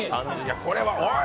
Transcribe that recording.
これはおい！